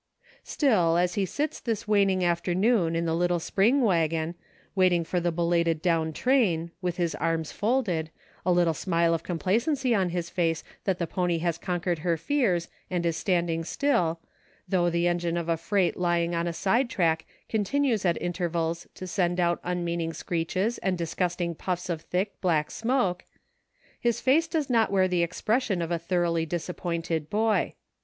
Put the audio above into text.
Still as he sits this waning afternoon in the little spring wagon, waiting for the belated down train, with his arms folded, a little smile of com placency on his face that the pony has conquered her fears and is standing still, though the engine of a freight lying on a side track continues at inter vals to send out unmeaning screeches and disgust ing puffs of thick, black smoke, his face does not wear the expression of a thoroughly disappointed boy.